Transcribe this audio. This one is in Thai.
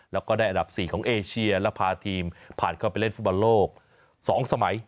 แล้วก็ได้อันดับ๔ของเอเชียและพาทีมผ่านเข้าไปเล่นฟุตบอลโลก๒สมัย